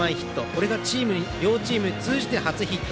これが両チーム通じて初ヒット。